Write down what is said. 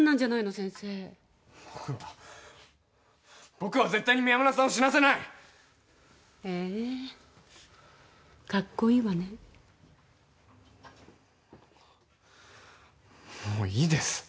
先生僕は絶対に宮村さんを死なせないへえカッコイイわねもういいです